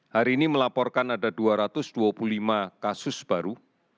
hari ini melaporkan ada dua ratus dua puluh lima kasus baru